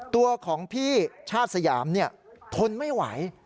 ตัวของพี่ชาติสยามทนไม่ไหว